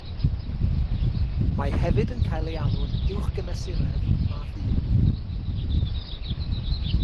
Mae hefyd yn cael ei alw'n uwchgymesuredd math un.